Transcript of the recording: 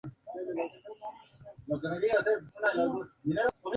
Desde entonces ha sido usado como símbolo de Aruba.